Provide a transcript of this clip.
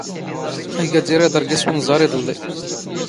ⴰⴳⴰⴷⵉⵔ ⵉⴹⵕ ⴳⵉⵙ ⵓⵏⵥⴰⵕ ⵉⴹⵍⵍⵉ.